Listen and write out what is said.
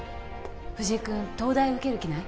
藤井君東大受ける気ない？